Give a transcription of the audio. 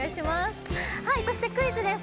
そしてクイズです。